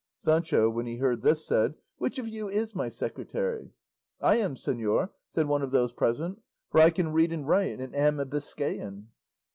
Sancho when he heard this said, "Which of you is my secretary?" "I am, señor," said one of those present, "for I can read and write, and am a Biscayan."